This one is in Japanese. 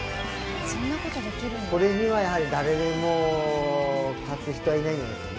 これにはやはり誰も勝つ人はいないんじゃないですかね。